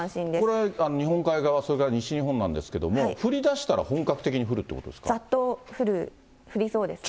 これ、日本海側、それから西日本なんですけど、降りだしたらざっと降る、降りそうですね。